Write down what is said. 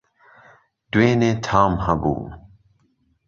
دوێنی تام هەبوو